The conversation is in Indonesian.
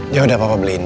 ya udah papa beliin ya